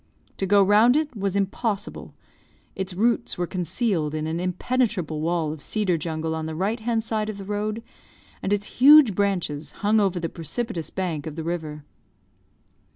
To go round it was impossible; its roots were concealed in an impenetrable wall of cedar jungle on the right hand side of the road, and its huge branches hung over the precipitous bank of the river.